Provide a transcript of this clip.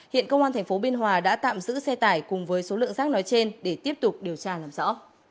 hiện công an tp biên hòa đã tạm giữ xe tải cùng với số lượng rác nói trên để tiếp tục điều tra làm rõ